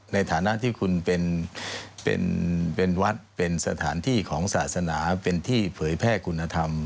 ในฐานะที่คุณเป็นวัดเป็นสถานที่ของศาสนาเป็นที่เผยแพร่คุณธรรม